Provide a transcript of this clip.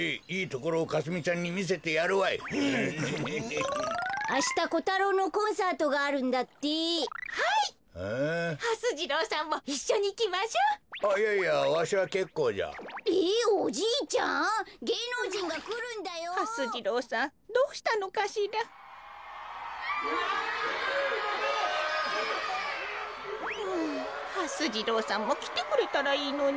こころのこえああはす次郎さんもきてくれたらいいのに。